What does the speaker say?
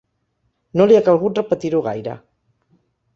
No li ha calgut repetir-ho gaire.